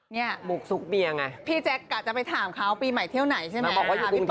นี่พี่แจ๊กอาจจะไปถามเขาปีใหม่เที่ยวไหนใช่ไหมพี่บอกมันบอกว่าอยู่กรุงเทพ